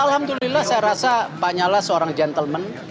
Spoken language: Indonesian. alhamdulillah saya rasa pak nyala seorang gentleman